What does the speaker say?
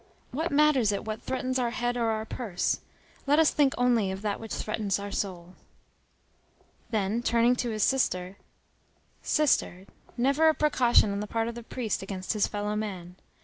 What matters it what threatens our head or our purse! Let us think only of that which threatens our soul." Then, turning to his sister: "Sister, never a precaution on the part of the priest, against his fellow man.